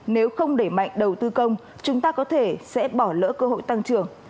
nếu không để mạnh đầu tư công chúng ta có thể sẽ bỏ lỡ cơ hội tăng trưởng